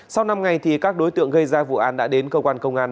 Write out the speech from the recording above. sau năm ngày các đối tượng gây ra vụ án đã đến công an công an